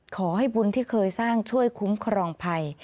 ขอให้บุญที่เคยสร้างช่วยคุ้มครองภัย